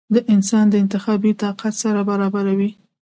د انسان د انتخابي طاقت سره برابروې ؟